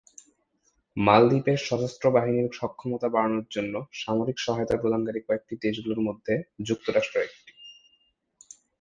মালদ্বীপের সশস্ত্র বাহিনীর সক্ষমতা বাড়ানোর জন্য সামরিক সহায়তা প্রদানকারী কয়েকটি দেশগুলির মধ্যে যুক্তরাষ্ট্র একটি।